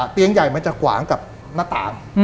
เตียงใหญ่มันจะขวางกับหน้าต่าง